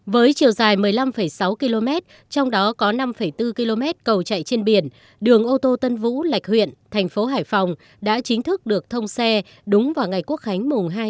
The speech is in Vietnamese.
với chiều dài một mươi năm sáu km trong đó có năm bốn km cầu chạy trên biển đường ô tô tân vũ lạch huyện thành phố hải phòng đã chính thức được thông xe đúng vào ngày quốc khánh mùng hai tháng chín